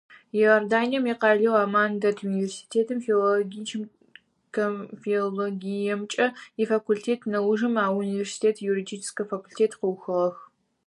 Иорданием икъалэу Амман дэт университетым филологиемкӏэ ифакультет, нэужым а университетым июридическэ факультет къыухыгъэх.